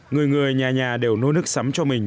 người người nhà nhà đều nô nước sắm cho mình